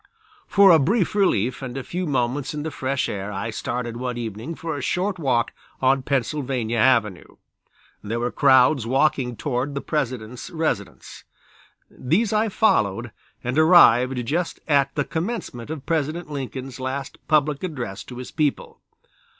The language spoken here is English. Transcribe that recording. For a brief relief and a few moments in the fresh air I started one evening for a short walk on Pennsylvania Avenue. There were crowds walking toward the President's residence. These I followed and arrived just at the commencement of President Lincoln's last public address to his people.